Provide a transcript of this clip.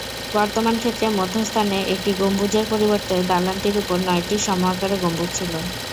বর্তমান ক্ষেত্রে মধ্যস্থানে একটি গম্বুজের পরিবর্তে দালানটির উপর নয়টি সম-আকারের গম্বুজ ছিল।